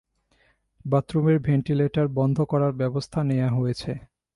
বাথরুমের ভেন্টিলেটার বন্ধ করার ব্যবস্থা নেয়া হয়েছে।